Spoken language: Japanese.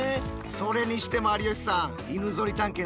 それにしても有吉さん